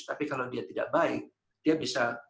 tapi kalau dia tidak baik dia bisa